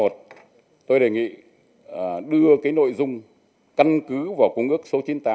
tôi đề nghị đưa cái nội dung căn cứ vào công ước số chín mươi tám